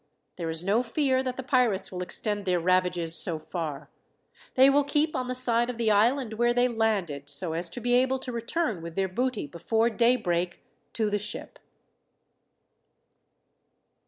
There is no fear that the pirates will extend their ravages so far. They will keep on the side of the island where they landed, so as to be able to return with their booty before daybreak to the ship."